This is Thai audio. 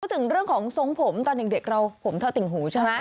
ถึงเรื่องของทรงผมตอนเด็กเราผมเท่าติ่งหูใช่ไหม